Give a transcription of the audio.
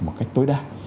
một cách tối đa